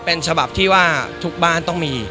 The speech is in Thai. เป็นฉบับที่ว่าทุกบ้านต้องมี